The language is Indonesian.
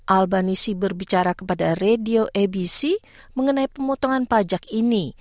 albanisi berbicara kepada radio abc mengenai pemotongan pajak ini